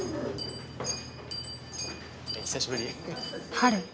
春。